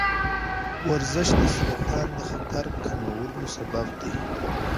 ورزش د سرطان د خطر کمولو سبب دی.